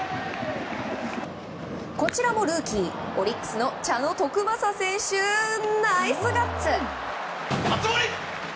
こちらもルーキーオリックスの茶野篤政選手ナイスガッツ！